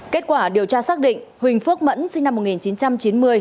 kết quả điều tra xác định huỳnh phước mẫn sinh năm một nghìn chín trăm chín mươi